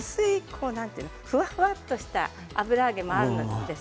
ふわふわとした油揚げもあります。